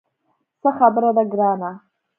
څه خبره ده ګرانه.